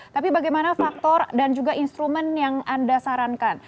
tapi bagaimana faktor dan juga instrumen yang anda sarankan